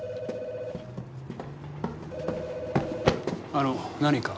あの何か？